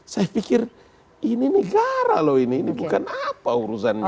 saya pikir ini negara loh ini bukan apa urusannya